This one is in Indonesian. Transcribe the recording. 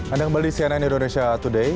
anda kembali di cnn indonesia today